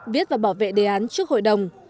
viết và bảo vệ đề án trước hội đồng